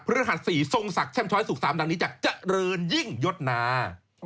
เพื่อรัฐศรีทรงศักดิ์แช่มช้อยสุข๓ดังนี้จะเจริญยิ่งยศนา